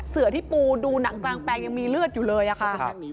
เสือที่ปูดูหนังกลางแปลงยังมีเลือดอยู่เลยอะค่ะ